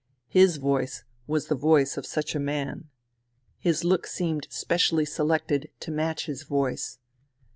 His voice was the voice of such a man. His look seemed specially selected to match his voice.